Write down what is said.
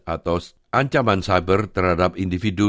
atau ancaman cyber terhadap individu